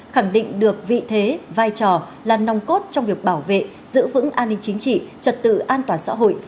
khẳng định được vị thế vai trò là nòng cốt trong việc bảo vệ giữ vững an ninh chính trị trật tự an toàn xã hội